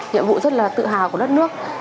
nhiệm vụ rất là tự hào của đất nước